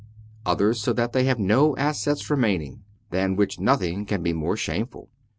261 others so that they have no assets remaining : than which nothing can be more shameful.